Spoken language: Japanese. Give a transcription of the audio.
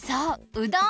うどん！